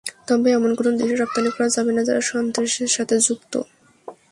তবে এমন কোনো দেশে রপ্তানি করা যাবে না, যারা সন্ত্রাসের সঙ্গে যুক্ত।